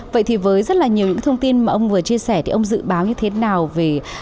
vậy thì với rất là nhiều những thông tin mà ông vừa chia sẻ thì ông dự báo như thế nào về